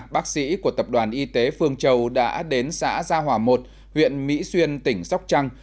bác sĩ của tập đoàn y tế phương châu đã đến xã gia hòa một huyện mỹ xuyên tỉnh sóc trăng